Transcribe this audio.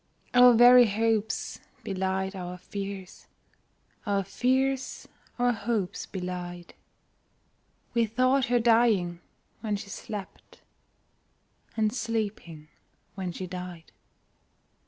Our very hopes belied our fears, Our fears our hopes belied We thought her dying when she slept, And sleeping when she died.